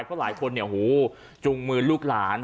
เพราะหลายคนจุงมือลูกหลาน